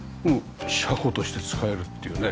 車庫として使えるっていうね。